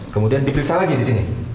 kemudian diperiksa lagi di sini